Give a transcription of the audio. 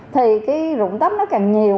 thì cái rụng tóc nó càng nhiều